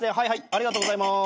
ありがとうございます。